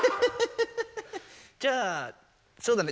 じゃあそうだね